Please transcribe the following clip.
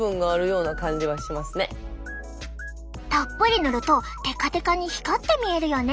たっぷり塗るとテカテカに光って見えるよね！